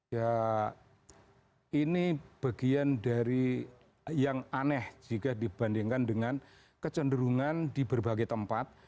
ya ini bagian dari yang aneh jika dibandingkan dengan kecenderungan di berbagai tempat